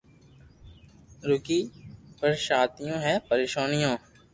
رگي پرآݾونيو ھي پريݾونيون